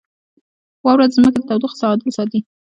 • واوره د ځمکې د تودوخې تعادل ساتي.